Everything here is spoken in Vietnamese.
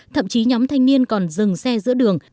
thậm chí nhóm thanh niên còn dừng xe giữa đường